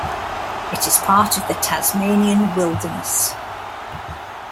It is part of the Tasmanian Wilderness.